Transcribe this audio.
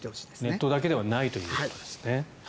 ネットだけではないということですね。